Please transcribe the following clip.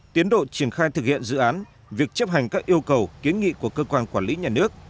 tiến độ triển khai thực hiện dự án việc chấp hành các yêu cầu kiến nghị của cơ quan quản lý nhà nước